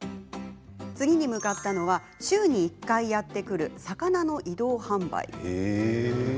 次に向かったのは週に１回やって来る魚の移動販売。